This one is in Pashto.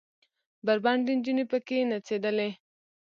بربنډې نجونې پکښې نڅېدلې.